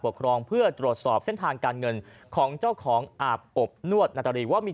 ครองเพื่อตรวจสอบเส้นทางการเงินของเจ้าของอาบอบนวดนาตรีว่ามี